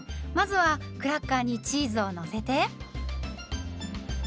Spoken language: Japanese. まずはクラッカーにチーズをのせて。